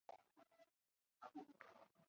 普西尼亚克。